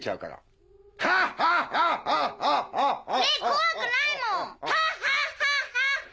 怖くないもん！